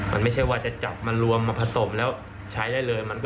มันไม่ใช่ว่าจะจับมารวมมาผสมแล้วใช้ได้เลย